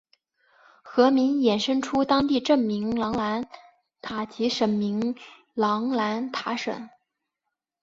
河名衍生出当地镇名琅南塔及省名琅南塔省。